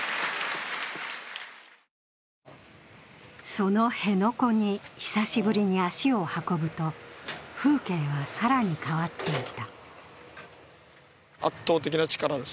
その辺野古に久しぶりに足を運ぶと、風景は更に変わっていた。